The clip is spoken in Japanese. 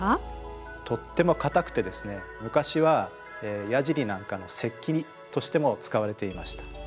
とっても硬くてですね昔はやじりなんかの石器としても使われていました。